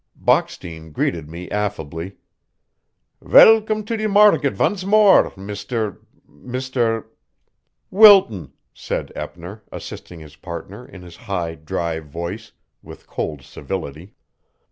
Bockstein greeted me affably: "Velgome to de marget vonce more, Mr. , Mr. " "Wilton," said Eppner, assisting his partner in his high, dry voice, with cold civility.